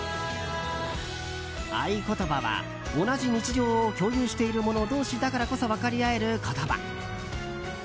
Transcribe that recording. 「あいことば」は同じ日常を共有している者同士だからこそ分かり合える言葉。